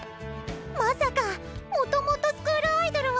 まさかもともとスクールアイドルを。